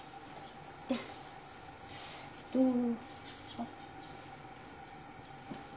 あっ。